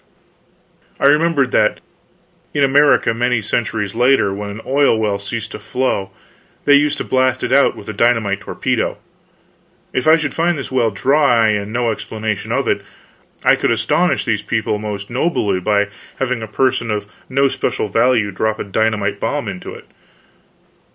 I remembered that in America, many centuries later, when an oil well ceased to flow, they used to blast it out with a dynamite torpedo. If I should find this well dry and no explanation of it, I could astonish these people most nobly by having a person of no especial value drop a dynamite bomb into it.